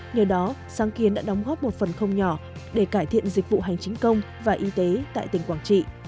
nhờ đó sáng kiến đã đóng góp một phần không nhỏ để cải thiện dịch vụ hành chính công và y tế tại tỉnh quảng trị